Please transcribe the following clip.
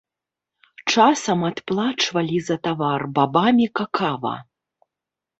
Часам адплачвалі за тавар бабамі какава.